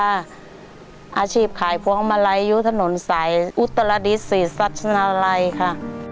อาชีพขายพวงมาลัยอยู่ถนนสายอุตรดิสศรีวัชนาลัยค่ะ